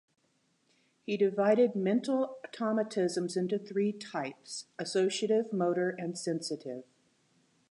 He divided mental automatisms into three types: associative, motor and sensitive.